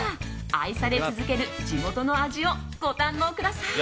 愛され続ける地元の味をご堪能ください！